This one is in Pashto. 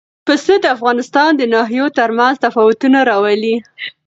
پسه د افغانستان د ناحیو ترمنځ تفاوتونه راولي.